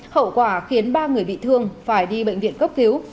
hậu quả khiến ba người bị thương phải đi bệnh viện cấp cứu